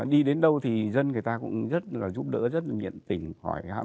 đi đến đâu thì dân người ta cũng rất là giúp đỡ rất là nhiện tình